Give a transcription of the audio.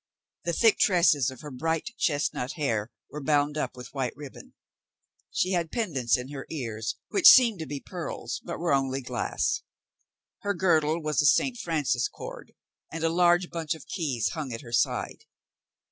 The thick tresses of her bright chestnut hair were bound up with white ribbon; she had pendents in her ears which seemed to be pearls, but were only glass; her girdle was a St. Francis cord, and a large bunch of keys hung at her side.